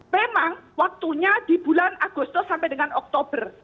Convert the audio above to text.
memang waktunya di bulan agustus sampai dengan oktober